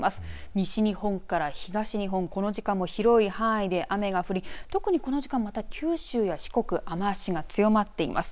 西日本から東日本、この時間、広い範囲で雨が降り特にこの時間、九州や四国、雨足が強まっています。